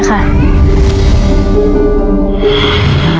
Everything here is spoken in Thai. ค่ะ